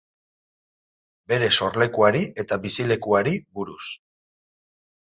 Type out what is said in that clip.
Bere sorlekuari eta bizilekuari buruz.